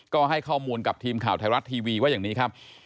ก็ให้ข้อมูลกับทีมข่าวไทยรัฐทีวีว่าอย่างนี้ครับ